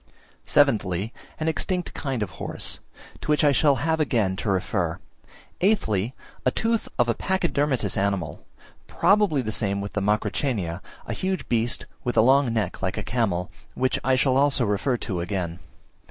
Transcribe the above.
Seventhly, an extinct kind of horse, to which I shall have again to refer. Eighthly, a tooth of a Pachydermatous animal, probably the same with the Macrauchenia, a huge beast with a long neck like a camel, which I shall also refer to again.